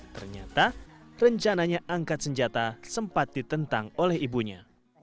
ternyata rencananya angkat senjata sempat ditentang oleh ibunya